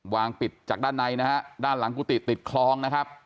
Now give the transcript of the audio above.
วางปิดจากด้านในนะฮะด้านหลังกุฏิติดคลองนะครับ